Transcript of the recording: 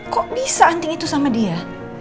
kok bisa anting itu sama dia